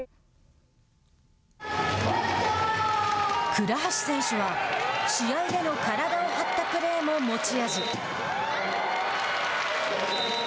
倉橋選手は、試合での体を張ったプレーも持ち味。